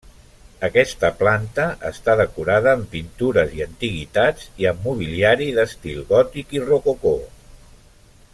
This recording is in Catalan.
Aquesta planta està decorada amb pintures i antiguitats, i amb mobiliari d'estil gòtic i rococó.